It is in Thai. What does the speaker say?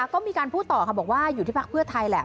ก็มีการพูดต่อค่ะบอกว่าอยู่ที่พักเพื่อไทยแหละ